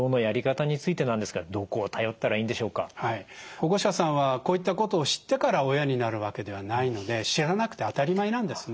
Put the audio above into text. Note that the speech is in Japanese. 保護者さんはこういったことを知ってから親になるわけではないので知らなくて当たり前なんですね。